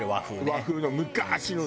和風の昔の。